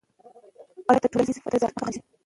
عدالت د ټولنیز تضاد مخه نیسي.